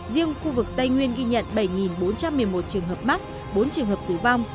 riêng khu vực tây nguyên ghi nhận bảy bốn trăm một mươi một trường hợp mắc bốn trường hợp tử vong